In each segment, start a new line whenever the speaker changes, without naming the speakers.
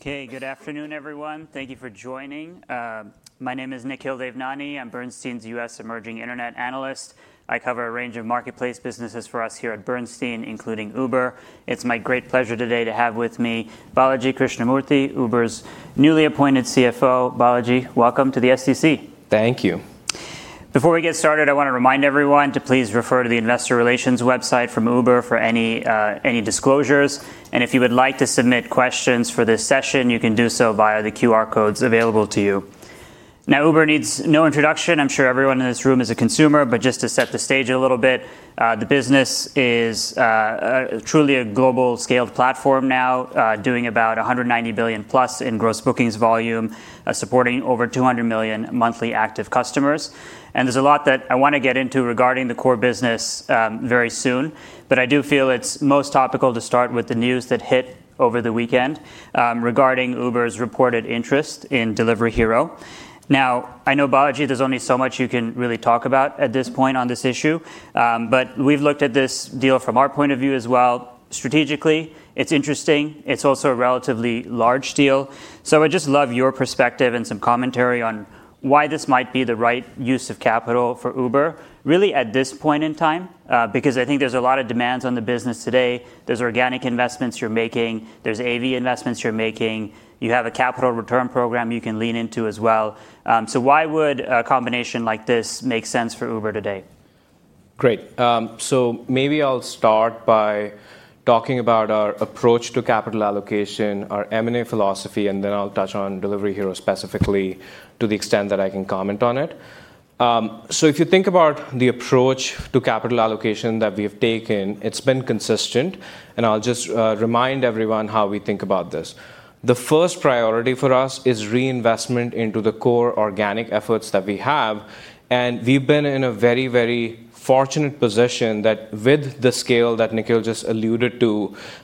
Okay. Good afternoon, everyone. Thank you for joining. My name is Nikhil Devnani. I'm Bernstein's U.S. emerging Internet analyst. I cover a range of marketplace businesses for us here at Bernstein, including Uber. It's my great pleasure today to have with me Balaji Krishnamurthy, Uber's newly appointed CFO. Balaji, welcome to the SDC.
Thank you.
Before we get started, I want to remind everyone to please refer to the investor relations website from Uber for any disclosures. If you would like to submit questions for this session, you can do so via the QR codes available to you. Now, Uber needs no introduction. I'm sure everyone in this room is a consumer, but just to set the stage a little bit, the business is truly a global scaled platform now, doing about $190 billion+ in gross bookings volume, supporting over $200 million monthly active customers. There's a lot that I want to get into regarding the core business very soon. I do feel it's most topical to start with the news that hit over the weekend regarding Uber's reported interest in Delivery Hero. I know, Balaji, there's only so much you can really talk about at this point on this issue. We've looked at this deal from our point of view as well. Strategically, it's interesting. It's also a relatively large deal. I would just love your perspective and some commentary on why this might be the right use of capital for Uber, really, at this point in time, because I think there's a lot of demands on the business today. There's organic investments you're making. There's AV investments you're making. You have a capital return program you can lean into as well. Why would a combination like this make sense for Uber today?
Great. Maybe I'll start by talking about our approach to capital allocation, our M&A philosophy, and then I'll touch on Delivery Hero specifically to the extent that I can comment on it. If you think about the approach to capital allocation that we have taken, it's been consistent, and I'll just remind everyone how we think about this. The first priority for us is reinvestment into the core organic efforts that we have. We've been in a very, very fortunate position that with the scale that Nikhil just alluded to,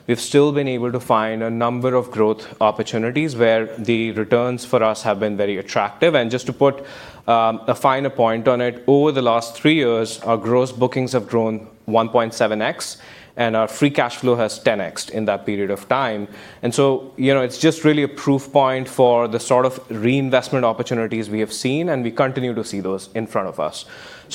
we've still been able to find a number of growth opportunities where the returns for us have been very attractive. Just to put a finer point on it, over the last three years, our gross bookings have grown one point seven x, and our free cash flow has 10x'd in that period of time. It's just really a proof point for the sort of reinvestment opportunities we have seen, and we continue to see those in front of us.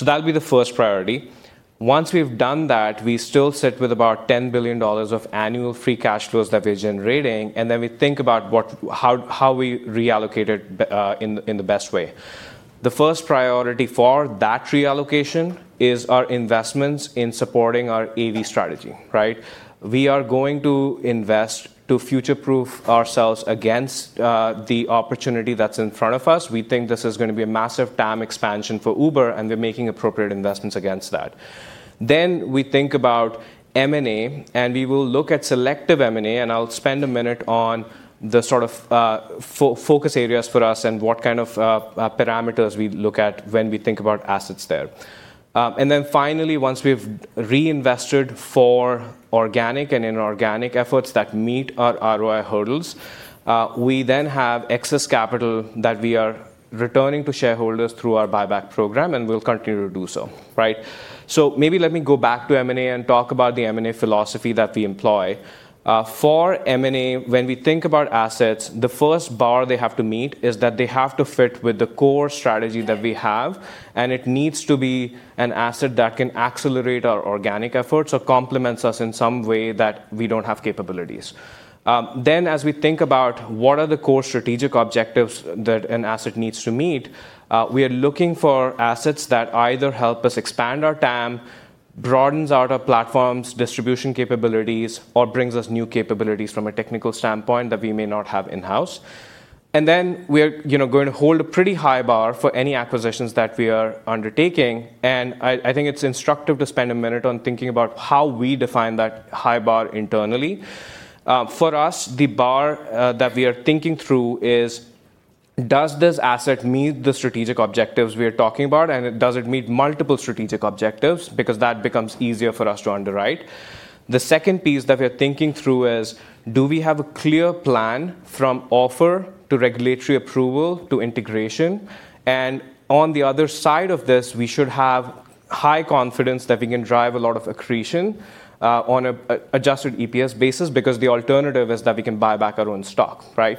That'll be the first priority. Once we've done that, we still sit with about $10 billion of annual free cash flows that we're generating, we think about how we reallocate it in the best way. The first priority for that reallocation is our investments in supporting our AV strategy. Right? We are going to invest to future-proof ourselves against the opportunity that's in front of us. We think this is going to be a massive TAM expansion for Uber, we're making appropriate investments against that. We think about M&A, and we will look at selective M&A, and I'll spend a minute on the sort of focus areas for us and what kind of parameters we look at when we think about assets there. Finally, once we've reinvested for organic and inorganic efforts that meet our ROI hurdles, we then have excess capital that we are returning to shareholders through our buyback program, and we'll continue to do so. Right? Maybe let me go back to M&A and talk about the M&A philosophy that we employ. For M&A, when we think about assets, the first bar they have to meet is that they have to fit with the core strategy that we have, and it needs to be an asset that can accelerate our organic efforts or complements us in some way that we don't have capabilities. As we think about what are the core strategic objectives that an asset needs to meet, we are looking for assets that either help us expand our TAM, broadens out our platform's distribution capabilities, or brings us new capabilities from a technical standpoint that we may not have in-house. We're going to hold a pretty high bar for any acquisitions that we are undertaking. I think it's instructive to spend a minute on thinking about how we define that high bar internally. For us, the bar that we are thinking through is, does this asset meet the strategic objectives we are talking about? Does it meet multiple strategic objectives? Because that becomes easier for us to underwrite. The second piece that we're thinking through is, do we have a clear plan from offer to regulatory approval to integration? On the other side of this, we should have high confidence that we can drive a lot of accretion on an adjusted EPS basis because the alternative is that we can buy back our own stock. Right?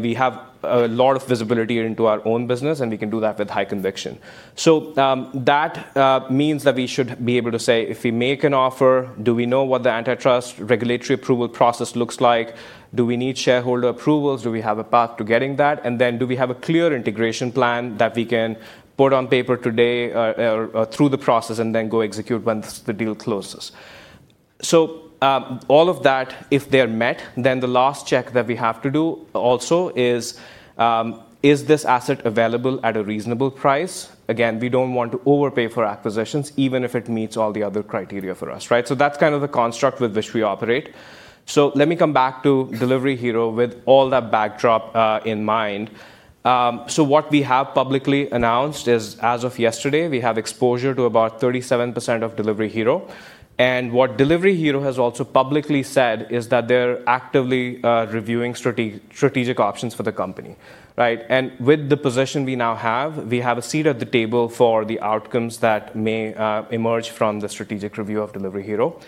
We have a lot of visibility into our own business, and we can do that with high conviction. That means that we should be able to say, if we make an offer, do we know what the antitrust regulatory approval process looks like? Do we need shareholder approvals? Do we have a path to getting that? Then do we have a clear integration plan that we can put on paper today, or through the process and then go execute once the deal closes? All of that, if they're met, then the last check that we have to do also is this asset available at a reasonable price? We don't want to overpay for acquisitions, even if it meets all the other criteria for us, right? That's kind of the construct with which we operate. Let me come back to Delivery Hero with all that backdrop in mind. What we have publicly announced is, as of yesterday, we have exposure to about 37% of Delivery Hero. What Delivery Hero has also publicly said is that they're actively reviewing strategic options for the company. Right? With the position we now have, we have a seat at the table for the outcomes that may emerge from the strategic review of Delivery Hero.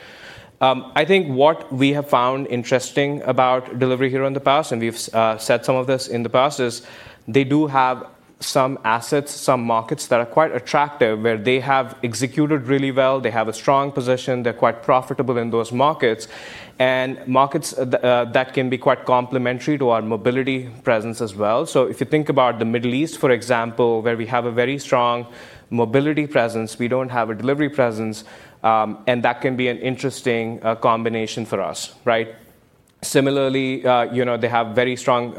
I think what we have found interesting about Delivery Hero in the past, and we've said some of this in the past, is they do have some assets, some markets that are quite attractive, where they have executed really well, they have a strong position, they're quite profitable in those markets, and markets that can be quite complementary to our mobility presence as well. If you think about the Middle East, for example, where we have a very strong mobility presence, we don't have a delivery presence. That can be an interesting combination for us, right? Similarly, they have very strong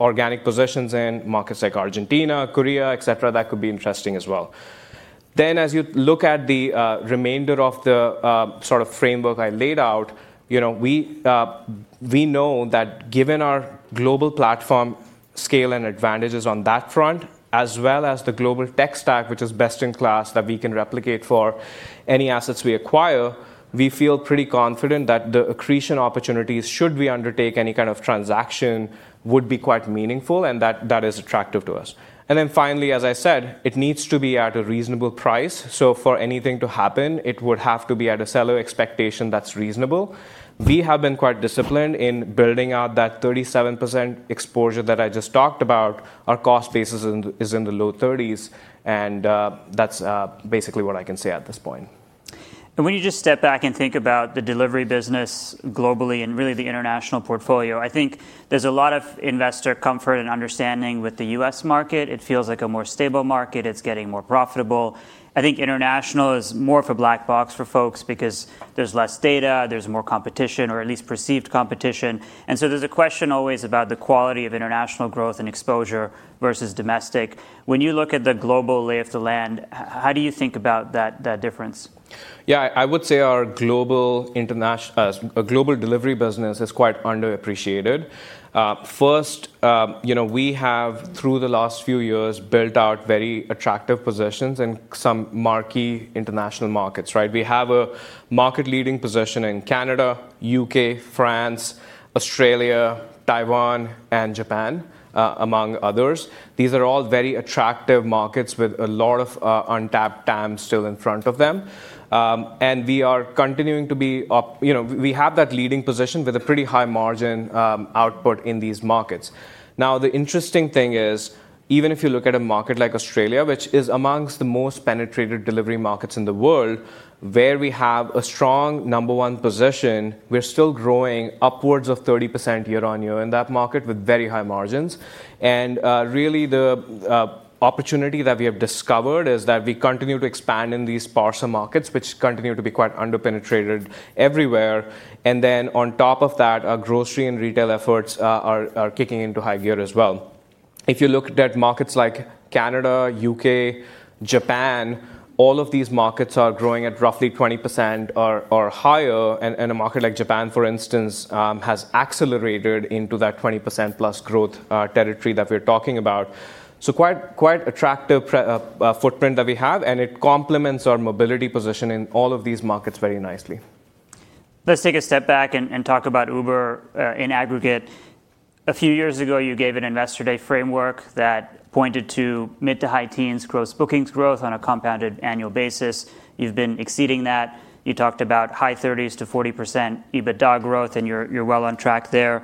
organic positions in markets like Argentina, Korea, et cetera. That could be interesting as well. As you look at the remainder of the sort of framework I laid out, we know that given our global platform scale and advantages on that front, as well as the global tech stack, which is best in class, that we can replicate for any assets we acquire, we feel pretty confident that the accretion opportunities, should we undertake any kind of transaction, would be quite meaningful, and that is attractive to us. Finally, as I said, it needs to be at a reasonable price. For anything to happen, it would have to be at a seller expectation that's reasonable. We have been quite disciplined in building out that 37% exposure that I just talked about. Our cost base is in the low 30s, and that's basically what I can say at this point.
When you just step back and think about the delivery business globally and really the international portfolio, I think there's a lot of investor comfort and understanding with the U.S. market. It feels like a more stable market. It's getting more profitable. I think international is more of a black box for folks because there's less data, there's more competition, or at least perceived competition. There's a question always about the quality of international growth and exposure versus domestic. When you look at the global lay of the land, how do you think about that difference?
Yeah, I would say our global delivery business is quite underappreciated. First, we have, through the last few years, built out very attractive positions in some marquee international markets, right? We have a market-leading position in Canada, U.K., France, Australia, Taiwan, and Japan, among others. These are all very attractive markets with a lot of untapped TAM still in front of them. We have that leading position with a pretty high margin output in these markets. Now, the interesting thing is, even if you look at a market like Australia, which is amongst the most penetrated delivery markets in the world, where we have a strong number one position, we're still growing upwards of 30% year-over-year in that market with very high margins. Really the opportunity that we have discovered is that we continue to expand in these sparser markets, which continue to be quite under-penetrated everywhere, and then on top of that, our grocery and retail efforts are kicking into high gear as well. If you look at markets like Canada, U.K., Japan, all of these markets are growing at roughly 20% or higher. A market like Japan, for instance, has accelerated into that 20% plus growth territory that we're talking about. Quite attractive footprint that we have, and it complements our mobility position in all of these markets very nicely.
Let's take a step back and talk about Uber in aggregate. A few years ago, you gave an investor day framework that pointed to mid-to-high teens gross bookings growth on a compounded annual basis. You've been exceeding that. You talked about high 30s to 40% EBITDA growth, and you're well on track there.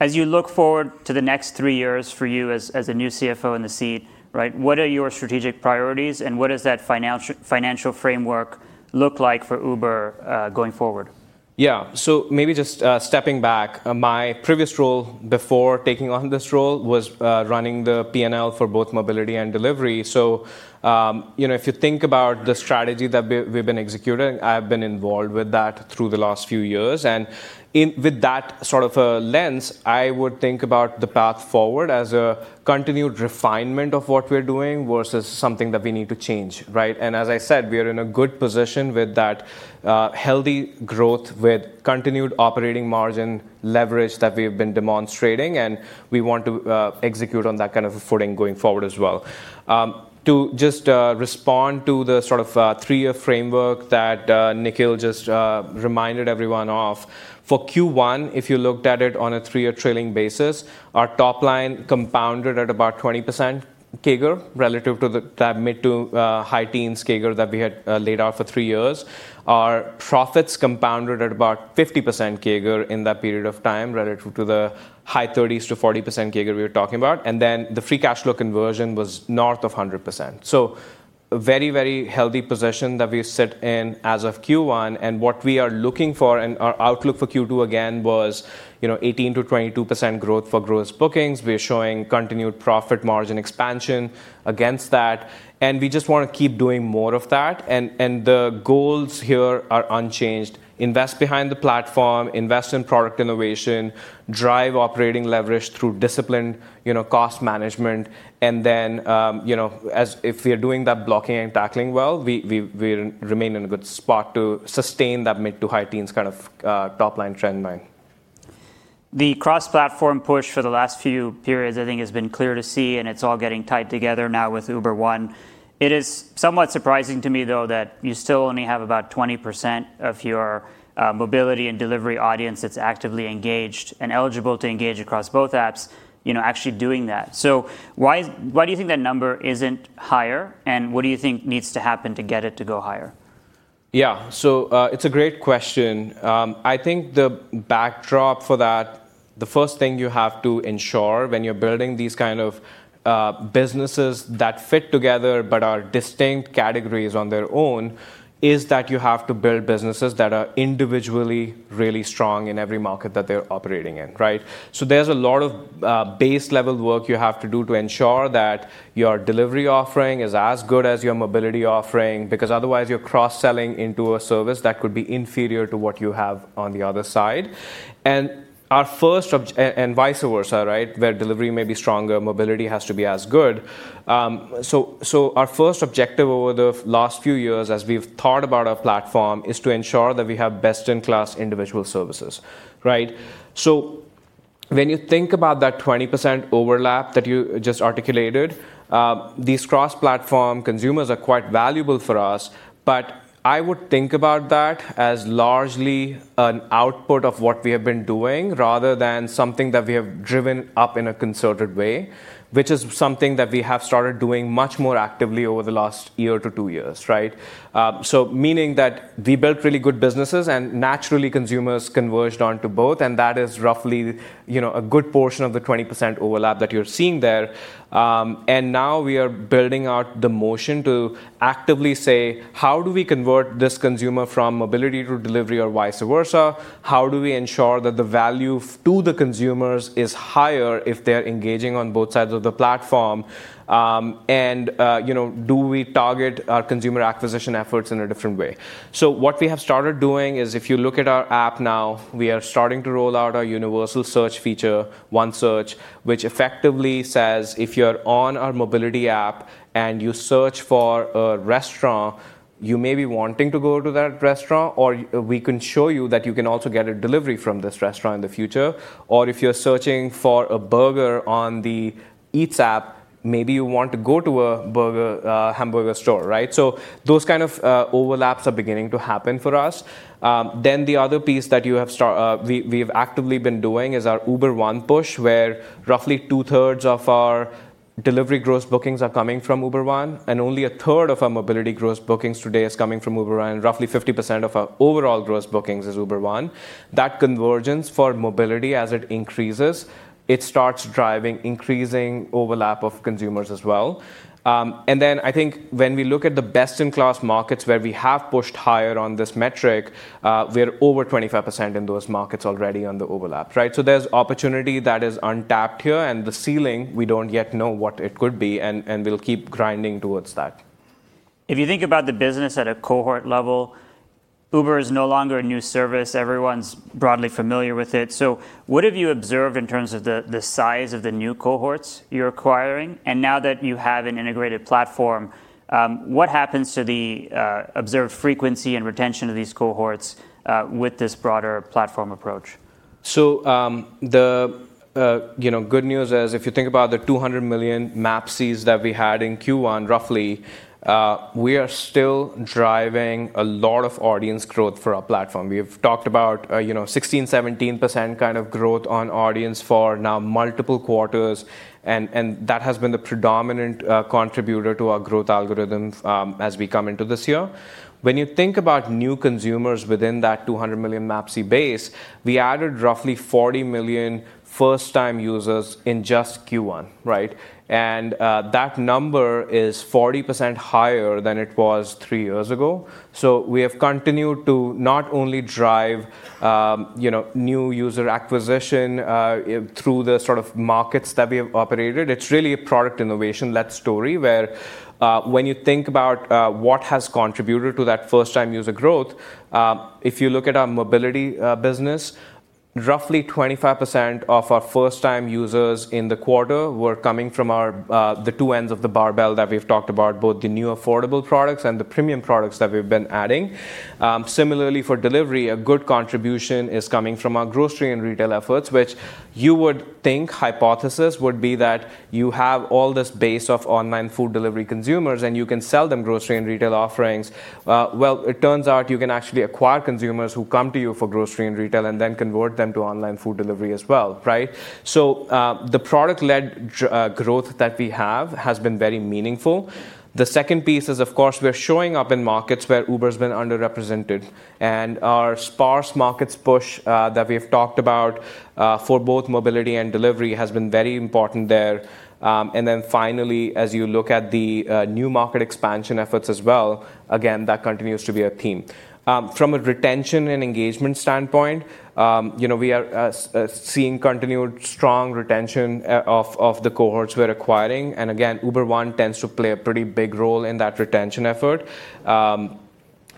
As you look forward to the next three years for you as the new CFO in the seat, right, what are your strategic priorities, and what does that financial framework look like for Uber going forward?
Yeah. Maybe just stepping back. My previous role before taking on this role was running the P&L for both mobility and delivery. If you think about the strategy that we've been executing, I've been involved with that through the last few years. With that sort of a lens, I would think about the path forward as a continued refinement of what we're doing versus something that we need to change, right? As I said, we are in a good position with that healthy growth, with continued operating margin leverage that we've been demonstrating, and we want to execute on that kind of a footing going forward as well. To just respond to the sort of three-year framework that Nikhil just reminded everyone of. For Q1, if you looked at it on a three-year trailing basis, our top line compounded at about 20% CAGR relative to that mid-to-high teens CAGR that we had laid out for three years. Our profits compounded at about 50% CAGR in that period of time, relative to the high 30s to 40% CAGR we were talking about. The free cash flow conversion was north of 100%. A very healthy position that we sit in as of Q1. What we are looking for and our outlook for Q2 again was 18% to 22% growth for gross bookings. We're showing continued profit margin expansion against that, and we just want to keep doing more of that. The goals here are unchanged. Invest behind the platform, invest in product innovation, drive operating leverage through disciplined cost management, and then, if we are doing that blocking and tackling well, we'll remain in a good spot to sustain that mid to high teens kind of top-line trend line.
The cross-platform push for the last few periods, I think, has been clear to see, and it's all getting tied together now with Uber One. It is somewhat surprising to me, though, that you still only have about 20% of your mobility and delivery audience that's actively engaged and eligible to engage across both apps, actually doing that. Why do you think that number isn't higher, and what do you think needs to happen to get it to go higher?
It's a great question. I think the backdrop for that, the first thing you have to ensure when you're building these kind of businesses that fit together but are distinct categories on their own, is that you have to build businesses that are individually really strong in every market that they're operating in. Right? There's a lot of base level work you have to do to ensure that your delivery offering is as good as your mobility offering, because otherwise you're cross-selling into a service that could be inferior to what you have on the other side and vice versa, right, where delivery may be stronger, mobility has to be as good. Our first objective over the last few years as we've thought about our platform, is to ensure that we have best-in-class individual services. Right? When you think about that 20% overlap that you just articulated, these cross-platform consumers are quite valuable for us, but I would think about that as largely an output of what we have been doing rather than something that we have driven up in a concerted way, which is something that we have started doing much more actively over the last year to two years. Right. Meaning that we built really good businesses and naturally consumers converged onto both, and that is roughly a good portion of the 20% overlap that you're seeing there. Now we are building out the motion to actively say, how do we convert this consumer from mobility to delivery or vice versa? How do we ensure that the value to the consumers is higher if they're engaging on both sides of the platform? Do we target our consumer acquisition efforts in a different way? What we have started doing is, if you look at our app now, we are starting to roll out our universal search feature, One Search, which effectively says, if you're on our mobility app and you search for a restaurant, you may be wanting to go to that restaurant, or we can show you that you can also get a delivery from this restaurant in the future. If you're searching for a burger on the Eats app, maybe you want to go to a hamburger store, right? Those kind of overlaps are beginning to happen for us. The other piece that we've actively been doing is our Uber One push, where roughly two thirds of our delivery gross bookings are coming from Uber One, and only a third of our mobility gross bookings today is coming from Uber One, and roughly 50% of our overall gross bookings is Uber One. That convergence for mobility, as it increases, it starts driving increasing overlap of consumers as well. I think when we look at the best-in-class markets where we have pushed higher on this metric, we're over 25% in those markets already on the overlap, right? There's opportunity that is untapped here, and the ceiling, we don't yet know what it could be, and we'll keep grinding towards that.
If you think about the business at a cohort level, Uber is no longer a new service. Everyone's broadly familiar with it. What have you observed in terms of the size of the new cohorts you're acquiring? Now that you have an integrated platform, what happens to the observed frequency and retention of these cohorts with this broader platform approach?
The good news is, if you think about the 200 million MAPCs that we had in Q1, roughly, we are still driving a lot of audience growth for our platform. We have talked about 16% to 17% growth on audience for now multiple quarters, that has been the predominant contributor to our growth algorithms as we come into this year. When you think about new consumers within that 200 million MAPC base, we added roughly 40 million first-time users in just Q1, right? That number is 40% higher than it was three years ago. We have continued to not only drive new user acquisition through the sort of markets that we have operated. It's really a product innovation-led story, where when you think about what has contributed to that first-time user growth, if you look at our mobility business, roughly 25% of our first-time users in the quarter were coming from the two ends of the barbell that we've talked about, both the new affordable products and the premium products that we've been adding. Similarly, for delivery, a good contribution is coming from our grocery and retail efforts, which you would think hypothesis would be that you have all this base of online food delivery consumers, and you can sell them grocery and retail offerings. Well, it turns out you can actually acquire consumers who come to you for grocery and retail and then convert them to online food delivery as well, right. The product-led growth that we have has been very meaningful. The second piece is, of course, we're showing up in markets where Uber's been underrepresented, and our sparse markets push that we have talked about for both mobility and delivery has been very important there. Finally, as you look at the new market expansion efforts as well, again, that continues to be a theme. From a retention and engagement standpoint, we are seeing continued strong retention of the cohorts we're acquiring. Again, Uber One tends to play a pretty big role in that retention effort.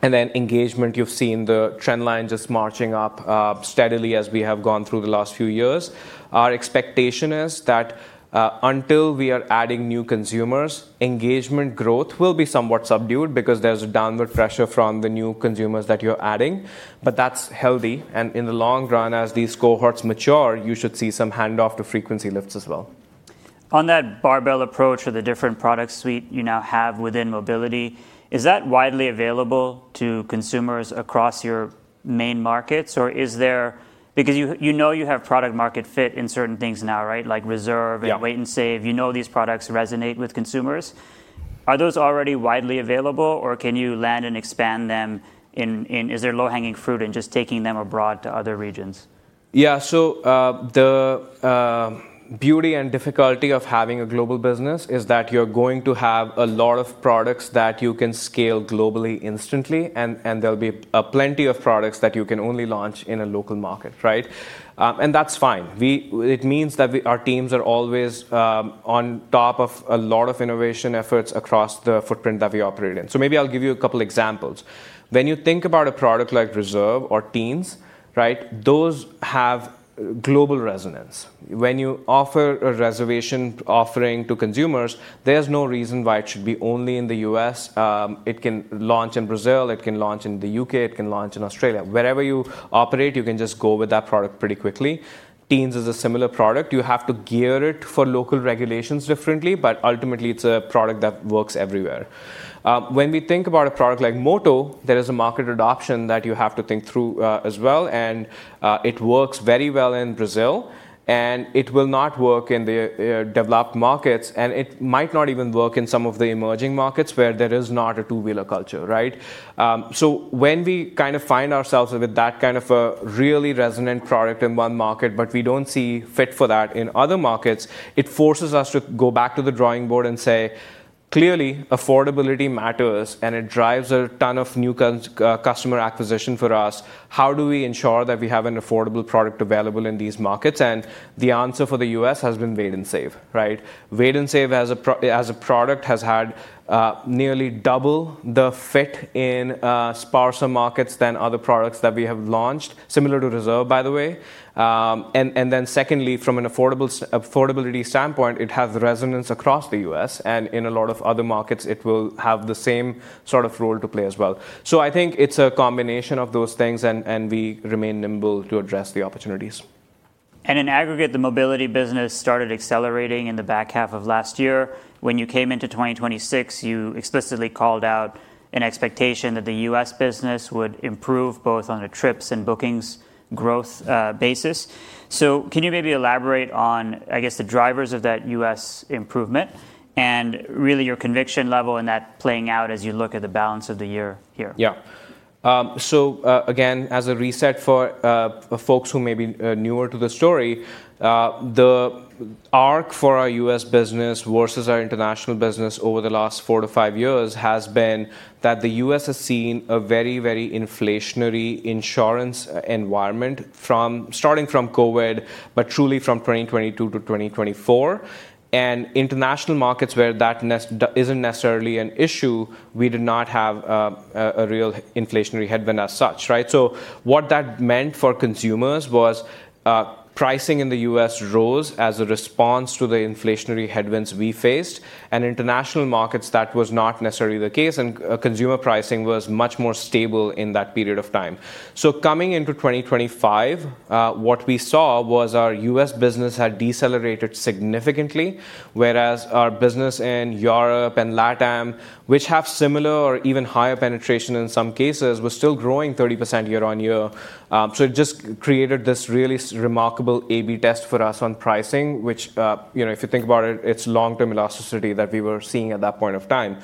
Engagement, you've seen the trend line just marching up steadily as we have gone through the last few years. Our expectation is that until we are adding new consumers, engagement growth will be somewhat subdued because there's a downward pressure from the new consumers that you're adding. That's healthy, and in the long run, as these cohorts mature, you should see some handoff to frequency lifts as well.
On that barbell approach for the different product suite you now have within mobility, is that widely available to consumers across your main markets? Because you know you have product market fit in certain things now, right? Like Reserve. Wait & Save. You know these products resonate with consumers. Are those already widely available, or can you land and expand them? Is there low-hanging fruit in just taking them abroad to other regions?
Yeah. The beauty and difficulty of having a global business is that you're going to have a lot of products that you can scale globally instantly, and there'll be plenty of products that you can only launch in a local market, right? That's fine. It means that our teams are always on top of a lot of innovation efforts across the footprint that we operate in. Maybe I'll give you a couple examples. When you think about a product like Reserve or Teens, right? Those have global resonance. When you offer a reservation offering to consumers, there's no reason why it should be only in the U.S. It can launch in Brazil, it can launch in the U.K., it can launch in Australia. Wherever you operate, you can just go with that product pretty quickly. Teens is a similar product. You have to gear it for local regulations differently, but ultimately, it's a product that works everywhere. When we think about a product like Moto, there is a market adoption that you have to think through, as well, and it works very well in Brazil, and it will not work in the developed markets, and it might not even work in some of the emerging markets where there is not a two-wheeler culture, right? When we find ourselves with that kind of a really resonant product in one market, but we don't see fit for that in other markets, it forces us to go back to the drawing board and say, clearly affordability matters, and it drives a ton of new customer acquisition for us. How do we ensure that we have an affordable product available in these markets? The answer for the U.S. has been Wait & Save, right? Wait & Save as a product has had nearly double the fit in sparser markets than other products that we have launched, similar to Reserve, by the way. Secondly, from an affordability standpoint, it has resonance across the U.S., and in a lot of other markets, it will have the same sort of role to play as well. I think it's a combination of those things, and we remain nimble to address the opportunities.
In aggregate, the mobility business started accelerating in the back half of last year. When you came into 2026, you explicitly called out an expectation that the U.S. business would improve both on a trips and bookings growth basis. Can you maybe elaborate on, I guess, the drivers of that U.S. improvement and really your conviction level in that playing out as you look at the balance of the year here?
Again, as a reset for folks who may be newer to the story, the arc for our U.S. business versus our international business over the last four to five years has been that the U.S. has seen a very, very inflationary insurance environment starting from COVID, but truly from 2022 to 2024. International markets where that isn't necessarily an issue, we did not have a real inflationary headwind as such, right? What that meant for consumers was pricing in the U.S. rose as a response to the inflationary headwinds we faced. In international markets, that was not necessarily the case, and consumer pricing was much more stable in that period of time. Coming into 2025, what we saw was our U.S. business had decelerated significantly, whereas our business in Europe and LATAM, which have similar or even higher penetration in some cases, was still growing 30% year-over-year. It just created this really remarkable A/B test for us on pricing, which if you think about it's long-term elasticity that we were seeing at that point of time.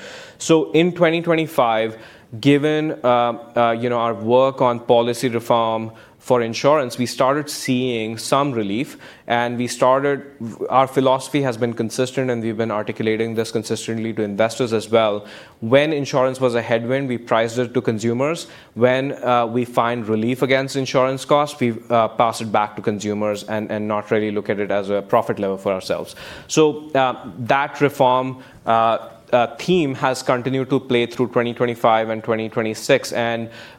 In 2025, given our work on policy reform for insurance, we started seeing some relief, and our philosophy has been consistent, and we've been articulating this consistently to investors as well. When insurance was a headwind, we priced it to consumers. When we find relief against insurance costs, we pass it back to consumers and not really look at it as a profit level for ourselves. That reform theme has continued to play through 2025 and 2026,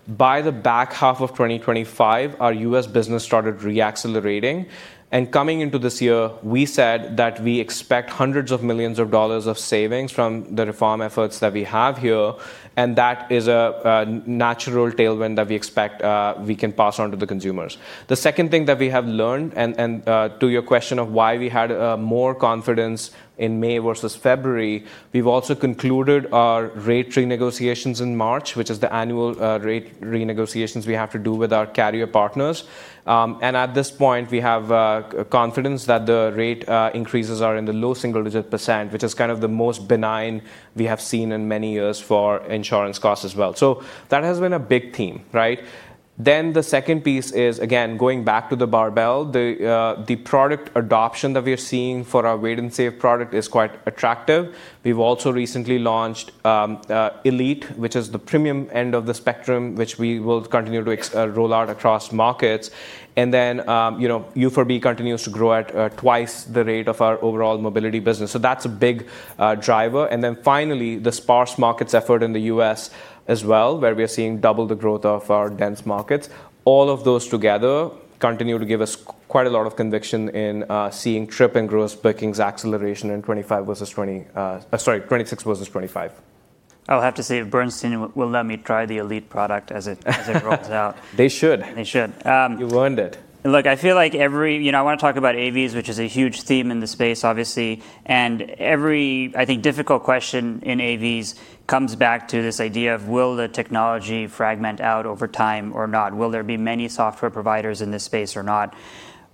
by the back half of 2025, our U.S. business started re-accelerating, coming into this year, we said that we expect $hundreds of millions of savings from the reform efforts that we have here, that is a natural tailwind that we expect we can pass on to the consumers. The second thing that we have learned, to your question of why we had more confidence in May versus February, we've also concluded our rate renegotiations in March, which is the annual rate renegotiations we have to do with our carrier partners. At this point, we have confidence that the rate increases are in the low single-digit percent, which is the most benign we have seen in many years for insurance costs as well. That has been a big theme, right? The second piece is, again, going back to the barbell, the product adoption that we are seeing for our Wait & Save product is quite attractive. We've also recently launched Elite, which is the premium end of the spectrum, which we will continue to roll out across markets. U4B continues to grow at twice the rate of our overall mobility business. That's a big driver. Finally, the sparse markets effort in the U.S. as well, where we are seeing double the growth of our dense markets. All of those together continue to give us quite a lot of conviction in seeing trip and gross bookings acceleration in Sorry, 2026 versus 2025.
I'll have to see if Bernstein will let me try the Elite product as it rolls out.
They should.
They should.
You've earned it.
Look, I want to talk about AVs, which is a huge theme in the space, obviously. Every, I think, difficult question in AVs comes back to this idea of will the technology fragment out over time or not? Will there be many software providers in this space or not?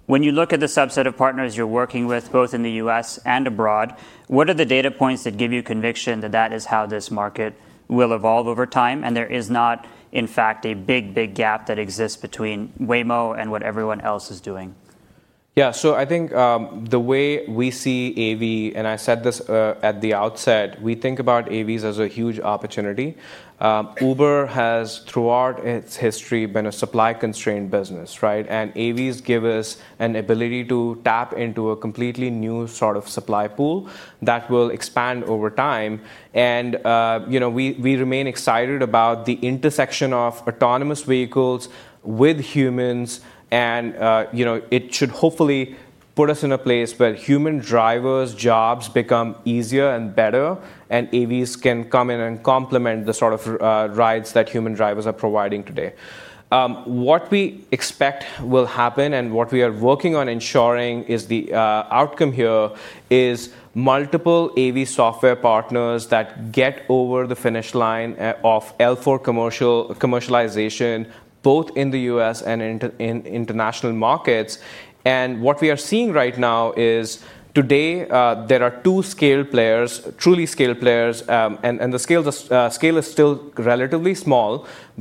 When you look at the subset of partners you're working with, both in the U.S. and abroad, what are the data points that give you conviction that that is how this market will evolve over time, and there is not, in fact, a big, big gap that exists between Waymo and what everyone else is doing?
Yeah. I think, the way we see AV, and I said this at the outset, we think about AVs as a huge opportunity. Uber has, throughout its history, been a supply-constrained business, right? AVs give us an ability to tap into a completely new sort of supply pool that will expand over time. We remain excited about the intersection of autonomous vehicles with humans and it should hopefully put us in a place where human drivers' jobs become easier and better, and AVs can come in and complement the sort of rides that human drivers are providing today. What we expect will happen and what we are working on ensuring is the outcome here is multiple AV software partners that get over the finish line of L4 commercialization, both in the U.S. and in international markets. What we are seeing right now is today, there are two scaled players, truly scaled players. The scale is still relatively small,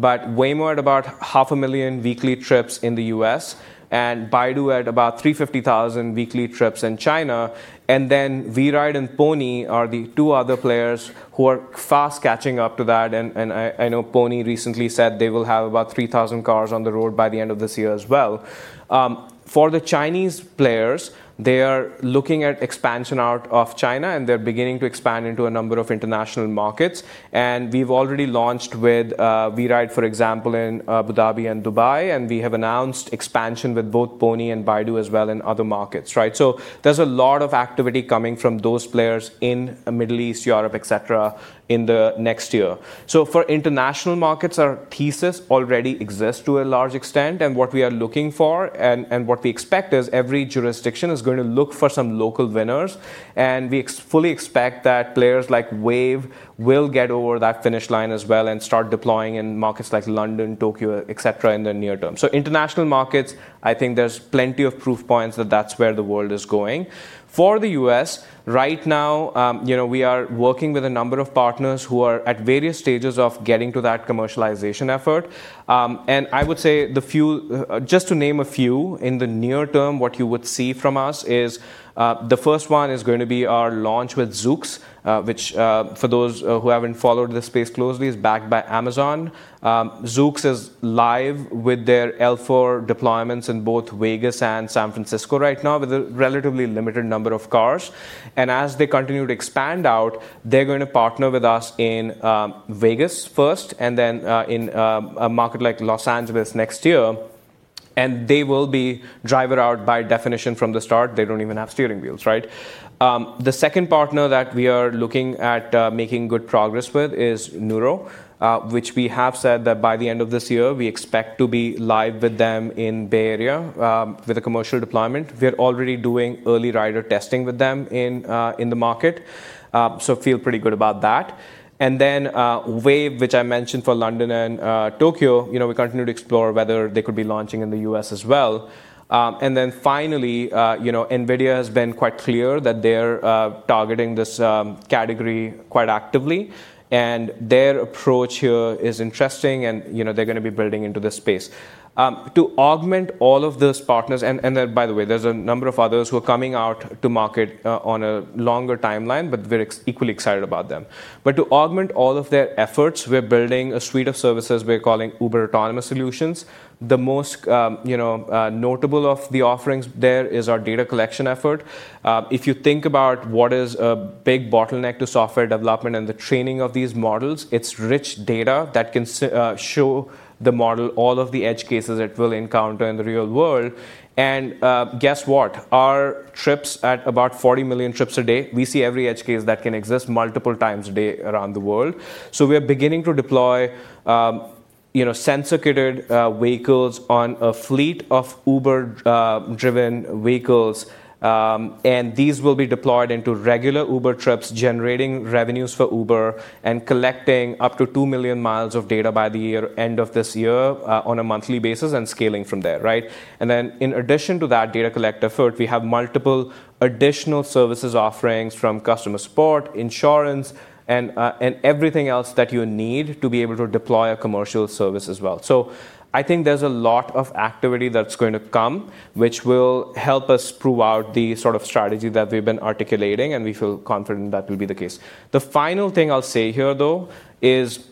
but Waymo at about half a million weekly trips in the U.S. and Baidu at about 350,000 weekly trips in China. WeRide and Pony.ai are the two other players who are fast catching up to that, and I know Pony.ai recently said they will have about 3,000 cars on the road by the end of this year as well. For the Chinese players, they are looking at expansion out of China, and they're beginning to expand into a number of international markets. We've already launched with WeRide, for example, in Abu Dhabi and Dubai, and we have announced expansion with both Pony.ai and Baidu as well in other markets, right? There's a lot of activity coming from those players in Middle East, Europe, et cetera, in the next year. For international markets, our thesis already exists to a large extent, and what we are looking for and what we expect is every jurisdiction is going to look for some local winners. We fully expect that players like Wayve will get over that finish line as well and start deploying in markets like London, Tokyo, et cetera, in the near term. International markets, I think there's plenty of proof points that that's where the world is going. For the U.S., right now, we are working with a number of partners who are at various stages of getting to that commercialization effort. I would say just to name a few, in the near term, what you would see from us is, the first one is going to be our launch with Zoox, which, for those who haven't followed this space closely, is backed by Amazon. Zoox is live with their L4 deployments in both Vegas and San Francisco right now with a relatively limited number of cars. As they continue to expand out, they're going to partner with us in Vegas first and then in a market like Los Angeles next year. They will be driver out by definition from the start. They don't even have steering wheels, right? The second partner that we are looking at making good progress with is Nuro, which we have said that by the end of this year, we expect to be live with them in Bay Area, with a commercial deployment. We're already doing early rider testing with them in the market, so feel pretty good about that. Wayve, which I mentioned for London and Tokyo, we continue to explore whether they could be launching in the U.S. as well. Finally, NVIDIA has been quite clear that they're targeting this category quite actively, and their approach here is interesting and they're going to be building into this space. To augment all of those partners, and by the way, there's a number of others who are coming out to market on a longer timeline, but we're equally excited about them. To augment all of their efforts, we're building a suite of services we're calling Uber Autonomous Solutions. The most notable of the offerings there is our data collection effort. If you think about what is a big bottleneck to software development and the training of these models, it's rich data that can show the model all of the edge cases it will encounter in the real world. Guess what? Our trips, at about 40 million trips a day, we see every edge case that can exist multiple times a day around the world. We are beginning to deploy sensor-kitted vehicles on a fleet of Uber-driven vehicles. These will be deployed into regular Uber trips, generating revenues for Uber and collecting up to two million miles of data by the end of this year, on a monthly basis, and scaling from there, right? In addition to that data collect effort, we have multiple additional services offerings from customer support, insurance, and everything else that you need to be able to deploy a commercial service as well. I think there's a lot of activity that's going to come, which will help us prove out the sort of strategy that we've been articulating, and we feel confident that will be the case. The final thing I'll say here, though, is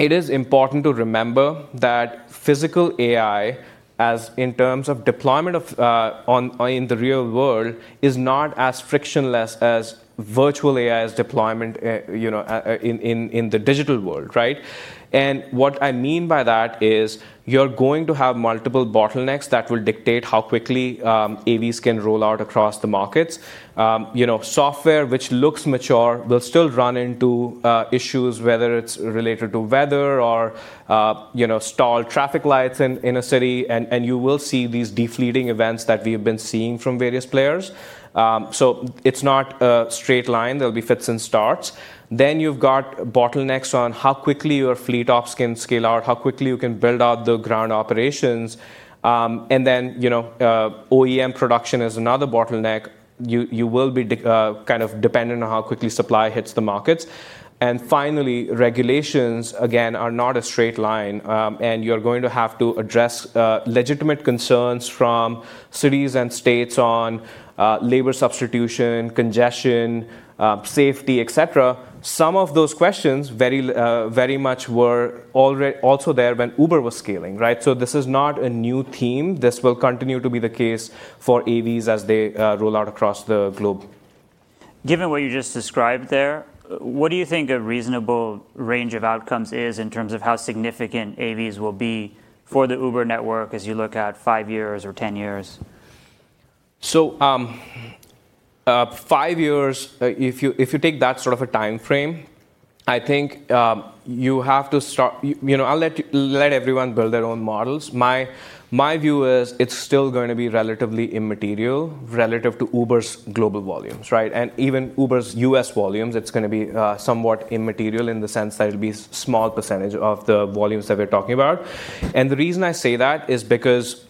it is important to remember that physical AI, as in terms of deployment in the real world, is not as frictionless as virtual AI's deployment in the digital world, right? What I mean by that is you're going to have multiple bottlenecks that will dictate how quickly AVs can roll out across the markets. Software which looks mature will still run into issues, whether it's related to weather or stalled traffic lights in a city, and you will see these defleeting events that we've been seeing from various players. It's not a straight line. There'll be fits and starts. You've got bottlenecks on how quickly your fleet ops can scale out, how quickly you can build out the ground operations. OEM production is another bottleneck. You will be dependent on how quickly supply hits the markets. Finally, regulations, again, are not a straight line. You're going to have to address legitimate concerns from cities and states on labor substitution, congestion, safety, et cetera. Some of those questions very much were also there when Uber was scaling, right? This is not a new theme. This will continue to be the case for AVs as they roll out across the globe.
Given what you just described there, what do you think a reasonable range of outcomes is in terms of how significant AVs will be for the Uber network as you look out five years or 10 years?
Five years, if you take that sort of a timeframe, I'll let everyone build their own models. My view is it's still going to be relatively immaterial relative to Uber's global volumes, right? Even Uber's U.S. volumes, it's going to be somewhat immaterial in the sense that it'll be a small percentage of the volumes that we're talking about. The reason I say that is because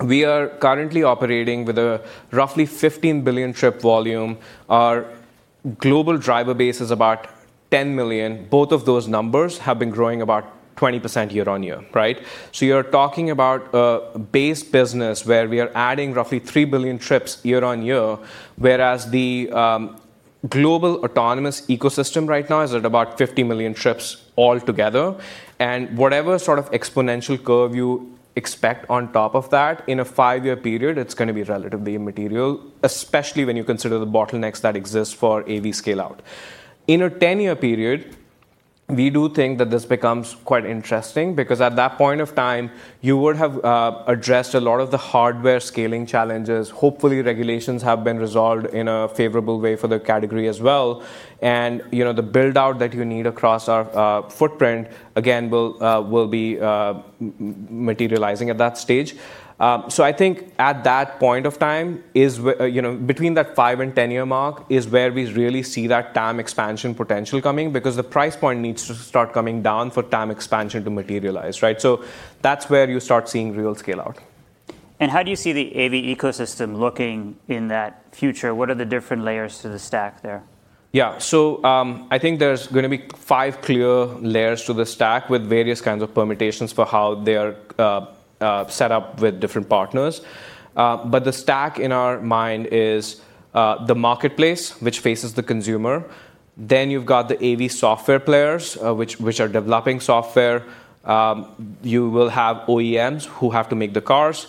we are currently operating with a roughly 15 billion trip volume. Our global driver base is about 10 million. Both of those numbers have been growing about 20% year-on-year, right? You're talking about a base business where we are adding roughly three billion trips year-on-year, whereas the global autonomous ecosystem right now is at about 50 million trips altogether. Whatever sort of exponential curve you expect on top of that, in a five-year period, it's going to be relatively immaterial, especially when you consider the bottlenecks that exist for AV scale-out. In a 10-year period, we do think that this becomes quite interesting because at that point of time, you would have addressed a lot of the hardware scaling challenges. Hopefully, regulations have been resolved in a favorable way for the category as well. The build-out that you need across our footprint, again, will be materializing at that stage. I think at that point of time, between that five and 10-year mark, is where we really see that TAM expansion potential coming because the price point needs to start coming down for TAM expansion to materialize, right? That's where you start seeing real scale out.
How do you see the AV ecosystem looking in that future? What are the different layers to the stack there?
I think there's going to be five clear layers to the stack with various kinds of permutations for how they are set up with different partners. The stack, in our mind, is the marketplace, which faces the consumer. You've got the AV software players, which are developing software. You will have OEMs who have to make the cars.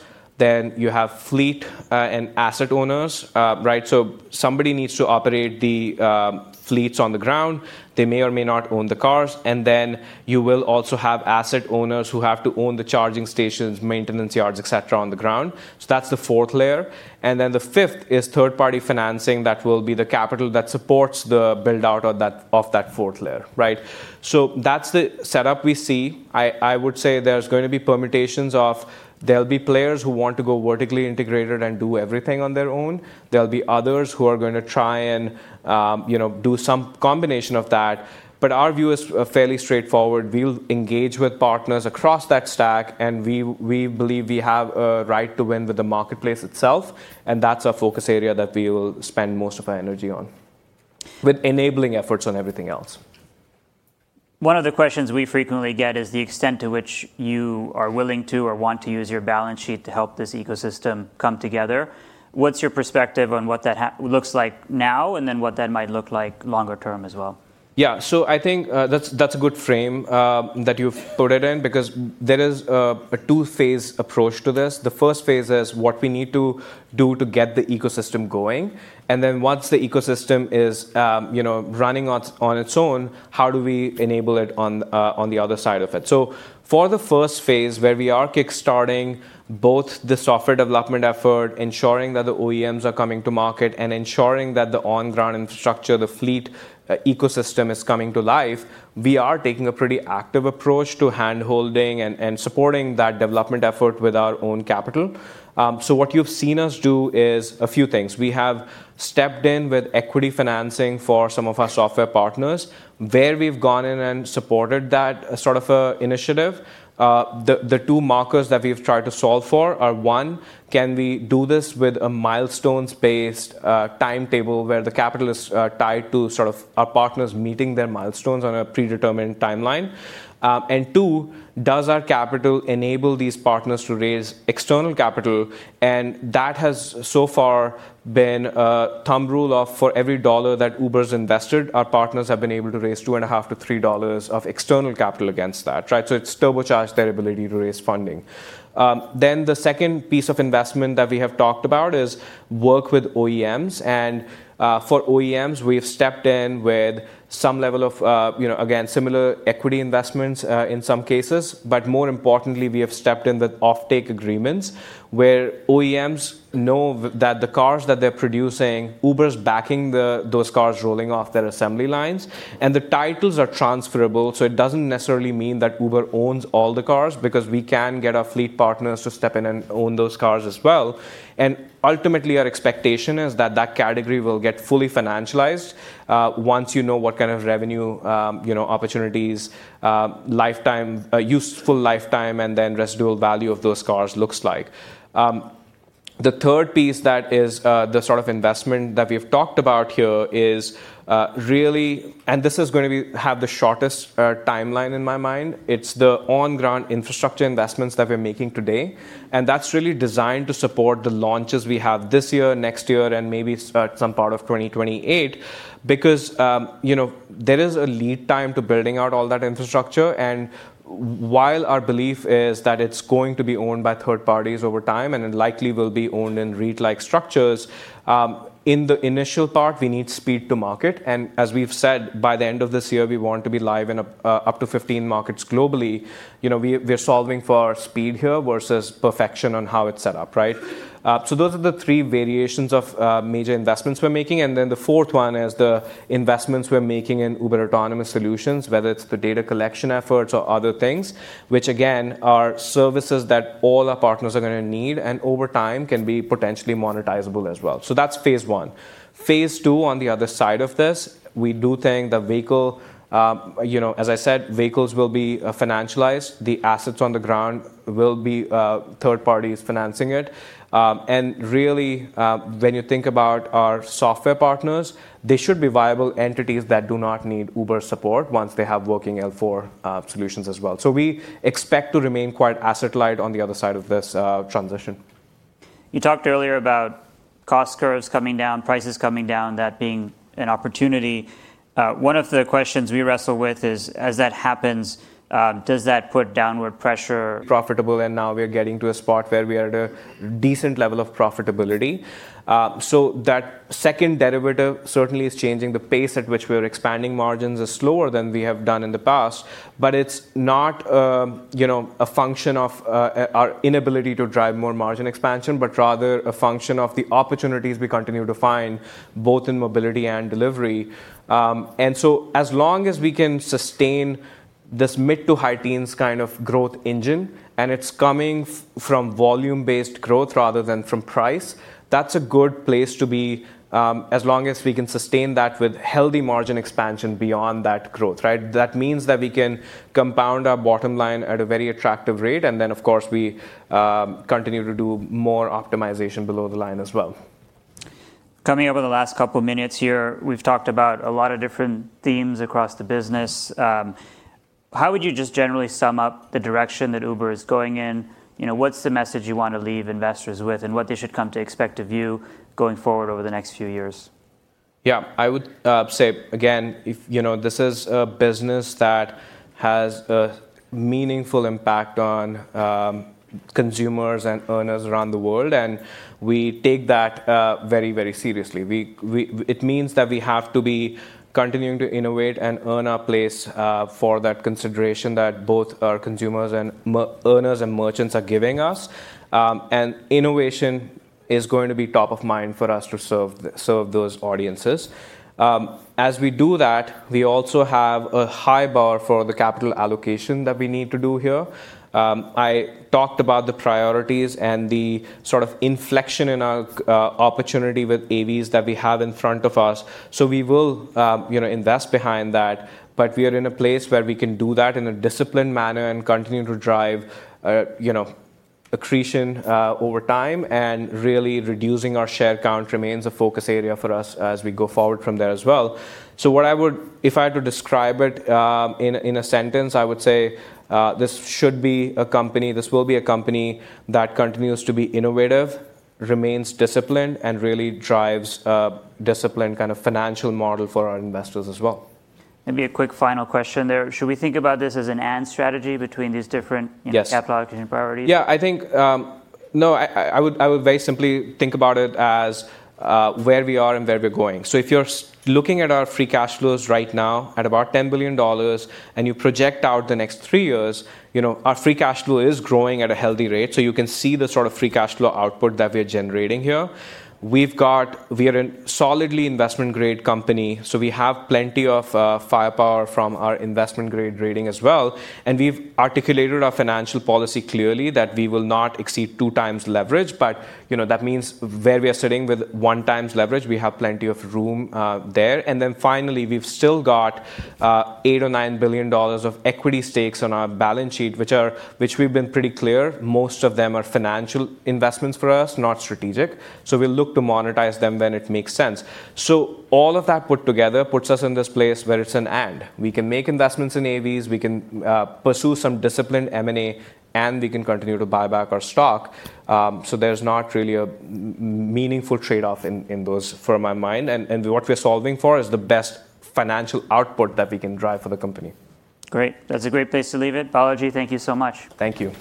You have fleet and asset owners. Somebody needs to operate the fleets on the ground. They may or may not own the cars. You will also have asset owners who have to own the charging stations, maintenance yards, et cetera, on the ground. That's the fourth layer. The fifth is third-party financing. That will be the capital that supports the build-out of that fourth layer. That's the setup we see. I would say there's going to be permutations of, there'll be players who want to go vertically integrated and do everything on their own. There'll be others who are going to try and do some combination of that. Our view is fairly straightforward. We'll engage with partners across that stack, and we believe we have a right to win with the marketplace itself, and that's a focus area that we will spend most of our energy on, with enabling efforts on everything else.
One of the questions we frequently get is the extent to which you are willing to or want to use your balance sheet to help this ecosystem come together. What's your perspective on what that looks like now and then what that might look like longer term as well?
Yeah. I think that's a good frame that you've put it in because there is a two-phase approach to this. The first phase is what we need to do to get the ecosystem going, and then once the ecosystem is running on its own, how do we enable it on the other side of it? For the first phase, where we are kickstarting both the software development effort, ensuring that the OEMs are coming to market, and ensuring that the on-ground infrastructure, the fleet ecosystem, is coming to life, we are taking a pretty active approach to handholding and supporting that development effort with our own capital. What you've seen us do is a few things. We have stepped in with equity financing for some of our software partners. Where we've gone in and supported that sort of initiative, the two markers that we've tried to solve for are, one, can we do this with a milestones-based timetable where the capital is tied to our partners meeting their milestones on a predetermined timeline? Two, does our capital enable these partners to raise external capital? That has so far been a thumb rule of for every dollar that Uber's invested, our partners have been able to raise $2.50 to $3 of external capital against that. It's turbocharged their ability to raise funding. The second piece of investment that we have talked about is work with OEMs. For OEMs, we've stepped in with some level of, again, similar equity investments in some cases. More importantly, we have stepped in with offtake agreements where OEMs know that the cars that they're producing, Uber's backing those cars rolling off their assembly lines. The titles are transferable, so it doesn't necessarily mean that Uber owns all the cars because we can get our fleet partners to step in and own those cars as well. Ultimately, our expectation is that that category will get fully financialized once you know what kind of revenue opportunities useful lifetime, and then residual value of those cars looks like. The third piece that is the sort of investment that we've talked about here is really this is going to have the shortest timeline in my mind. It's the on-ground infrastructure investments that we're making today, and that's really designed to support the launches we have this year, next year, and maybe some part of 2028. There is a lead time to building out all that infrastructure, and while our belief is that it's going to be owned by third parties over time, and it likely will be owned in REIT-like structures, in the initial part, we need speed to market. As we've said, by the end of this year, we want to be live in up to 15 markets globally. We're solving for speed here versus perfection on how it's set up. Right? Those are the three variations of major investments we're making. The fourth one is the investments we're making in Uber Autonomous Solutions, whether it's the data collection efforts or other things, which again, are services that all our partners are going to need, and over time can be potentially monetizable as well. That's phase one. Phase II, on the other side of this, we do think the vehicle, as I said, vehicles will be financialized. The assets on the ground will be third parties financing it. Really, when you think about our software partners, they should be viable entities that do not need Uber support once they have working L4 solutions as well. We expect to remain quite asset light on the other side of this transition.
You talked earlier about cost curves coming down, prices coming down, that being an opportunity. One of the questions we wrestle with is, as that happens, does that put downward pressure?
Profitable. Now we are getting to a spot where we are at a decent level of profitability. That second derivative certainly is changing. The pace at which we're expanding margins are slower than we have done in the past, but it's not a function of our inability to drive more margin expansion, but rather a function of the opportunities we continue to find both in mobility and delivery. As long as we can sustain this mid to high teens kind of growth engine, and it's coming from volume-based growth rather than from price, that's a good place to be, as long as we can sustain that with healthy margin expansion beyond that growth. Right? That means that we can compound our bottom line at a very attractive rate. Of course, we continue to do more optimization below the line as well.
Coming up in the last couple of minutes here, we've talked about a lot of different themes across the business. How would you just generally sum up the direction that Uber is going in? What's the message you want to leave investors with, and what they should come to expect of you going forward over the next few years?
Yeah. I would say, again, this is a business that has a meaningful impact on consumers and earners around the world, and we take that very seriously. It means that we have to be continuing to innovate and earn our place for that consideration that both our consumers and earners and merchants are giving us. Innovation is going to be top of mind for us to serve those audiences. As we do that, we also have a high bar for the capital allocation that we need to do here. I talked about the priorities and the sort of inflection in our opportunity with AVs that we have in front of us. We will invest behind that. We are in a place where we can do that in a disciplined manner and continue to drive accretion over time and really reducing our share count remains a focus area for us as we go forward from there as well. If I had to describe it in a sentence, I would say this should be a company, this will be a company that continues to be innovative, remains disciplined, and really drives a disciplined financial model for our investors as well.
Maybe a quick final question there. Should we think about this as an and strategy between these different?
Yes
capital allocation priorities?
I would very simply think about it as where we are and where we're going. If you're looking at our free cash flows right now at about $10 billion, and you project out the next three years, our free cash flow is growing at a healthy rate. You can see the sort of free cash flow output that we're generating here. We are a solidly investment-grade company, so we have plenty of firepower from our investment-grade rating as well, and we've articulated our financial policy clearly that we will not exceed two times leverage. That means where we are sitting with one times leverage, we have plenty of room there. Finally, we've still got $8 or $9 billion of equity stakes on our balance sheet, which we've been pretty clear, most of them are financial investments for us, not strategic. We'll look to monetize them when it makes sense. All of that put together puts us in this place where it's an and. We can make investments in AVs, we can pursue some disciplined M&A, and we can continue to buy back our stock. There's not really a meaningful trade-off in those for my mind. What we're solving for is the best financial output that we can drive for the company.
Great. That's a great place to leave it. Balaji, thank you so much.
Thank you.